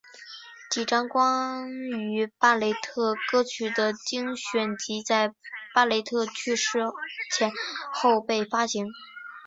几张关于巴雷特歌曲的精选集在巴雷特去世前后被发行。